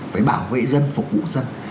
phải bảo vệ dân phục vụ dân